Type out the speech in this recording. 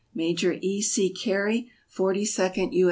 Major E. C. Gary, Forty second U.